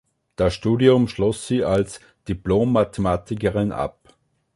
Das Studium schloss sie als Diplom-Mathematikerin ab.